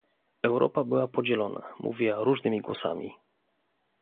Europa była podzielona, mówiła różnymi głosami